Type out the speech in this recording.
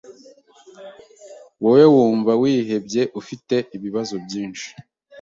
Wowe wumva wihebye ufite ibibazo byinshi